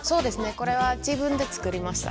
これは自分で作りました。